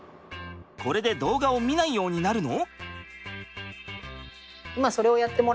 これで動画を見ないようになるの！？